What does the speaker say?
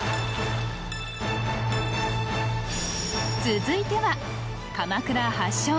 続いては鎌倉発祥